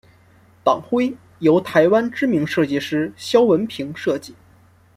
党徽由台湾知名设计师萧文平设计。